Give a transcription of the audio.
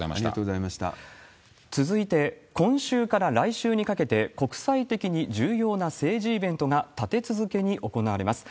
続いて、今週から来週にかけて、国際的に重要な政治イベントが立て続けに行われます。